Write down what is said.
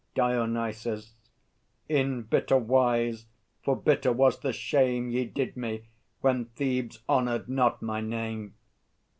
DIONYSUS. In bitter wise, for bitter was the shame Ye did me, when Thebes honoured not my name.